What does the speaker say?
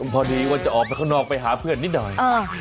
พอดีว่าจะออกไปข้างนอกไปหาเพื่อนนิดหน่อย